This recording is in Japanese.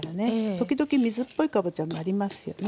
時々水っぽいかぼちゃもありますよね。